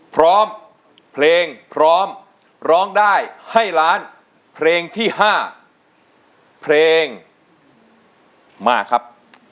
พร้อมเพลงพร้อมร้องได้ให้ล้านเพลงที่๕เพลงมาครับ